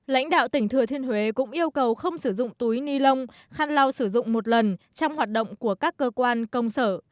lãnh đạo tỉnh thừa thiên huế cũng yêu cầu không sử dụng túi ni lông khăn lao sử dụng một lần trong hoạt động của các cơ quan công sở